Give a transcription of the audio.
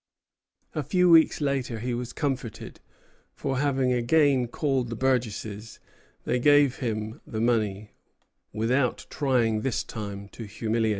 A few weeks later he was comforted; for, having again called the burgesses, they gave him the money, without trying this time to humiliate him.